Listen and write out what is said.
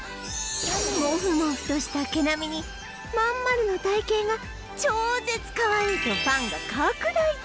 モフモフとした毛並みにまんまるの体型が超絶かわいいとファンが拡大中！